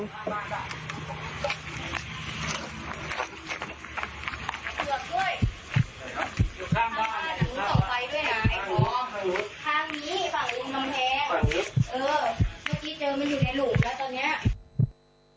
เมื่อกี้เจอมันอยู่ในหลูบแล้วตอนเนี้ย